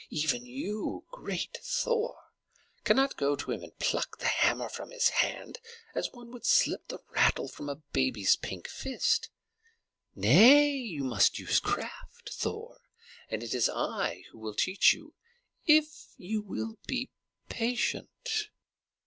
Even you, great Thor, cannot go to him and pluck the hammer from his hand as one would slip the rattle from a baby's pink fist. Nay, you must use craft, Thor; and it is I who will teach you, if you will be patient."